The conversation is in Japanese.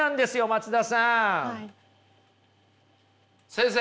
先生。